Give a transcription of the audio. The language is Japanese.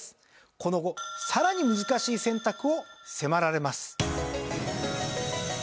この後さらに難しい選択を迫られます。